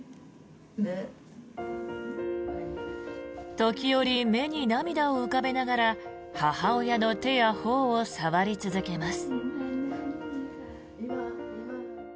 時折、目に涙を浮かべながら母親の手や頬を触り続けます。